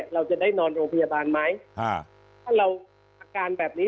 เราจะได้นอนโรงพยาบาลไหมถ้าเราอาการแบบนี้